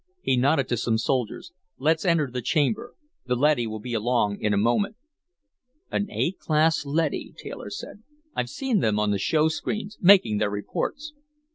He nodded to some soldiers. "Let's enter the chamber. The leady will be along in a moment." "An A class leady," Taylor said. "I've seen them on the showscreens, making their reports."